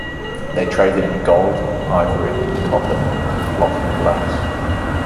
They traded in gold, ivory and copper for cloth and glass.